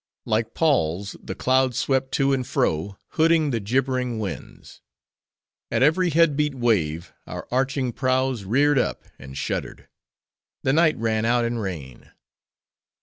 Like palls, the clouds swept to and fro, hooding the gibbering winds. At every head beat wave, our arching prows reared up, and shuddered; the night ran out in rain.